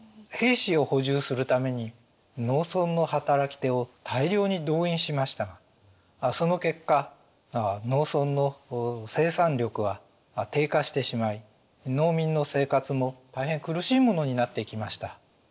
兵士を補充するために農村の働き手を大量に動員しましたがその結果農村の生産力は低下してしまい農民の生活も大変苦しいものになっていきました。